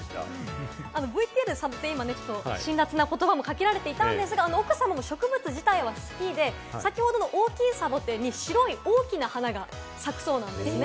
ＶＴＲでは辛辣な言葉もかけられていましたが、奥様も植物自体は好きで、大きいサボテンに白い大きな花が咲くそうなんですよね。